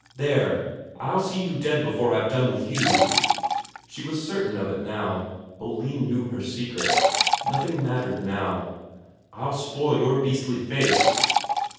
"There! I'll see you dead before I've done with you." She was certain of it now. Oline knew her secret; nothing mattered now. "I'll spoil your beastly face."